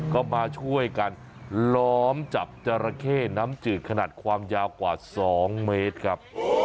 ก็มาช่วยกันล้อมจับจราเข้น้ำจืดขนาดความยาวกว่า๒เมตรครับ